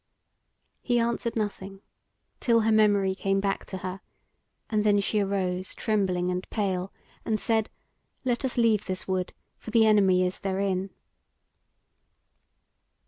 He answered nothing, till her memory came back to her, and then she arose, trembling and pale, and said: "Let us leave this wood, for the Enemy is therein."